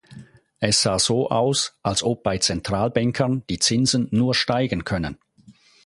Es sah so aus, als ob bei Zentralbankern die Zinsen nur steigen können.